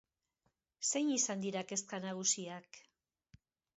Zein izan dira kezka nagusiak?